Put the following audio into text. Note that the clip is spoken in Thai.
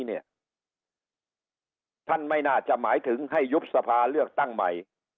ท่านไม่น่าจะหมายถึงให้ยุบสภาเลือกตั้งใหม่